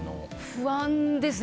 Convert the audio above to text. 不安ですね。